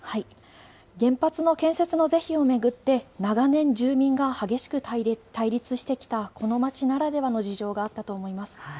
原発の建設の是非を巡って、長年、住民が激しく対立してきたこの町ならではの事情があったと思います。